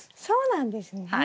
そうなんですね。